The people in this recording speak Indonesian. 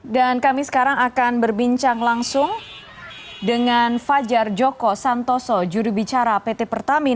dan kami sekarang akan berbincang langsung dengan fajar joko santoso juru bicara pt pertamina